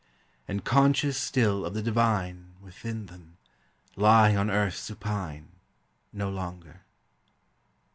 And conscious still of the divine Within them, lie on earth supine No longer.